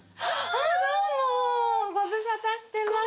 あっどうもご無沙汰してます